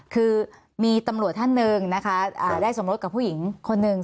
คือมีตำรวจท่านหนึ่งนะคะได้สมรสกับผู้หญิงคนหนึ่ง